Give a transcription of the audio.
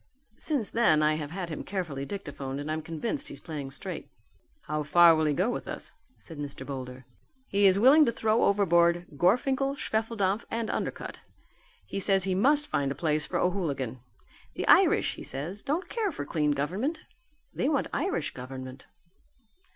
Since then, I have had him carefully dictaphoned and I'm convinced he's playing straight." "How far will he go with us?" said Mr. Boulder. "He is willing to throw overboard Gorfinkel, Schwefeldampf and Undercutt. He says he must find a place for O'Hooligan. The Irish, he says, don't care for clean government; they want Irish Government."